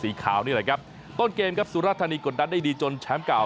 ขาวนี่แหละครับต้นเกมครับสุราธานีกดดันได้ดีจนแชมป์เก่า